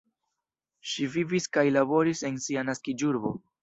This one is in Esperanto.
Ŝi vivis kaj laboris en sia naskiĝurbo.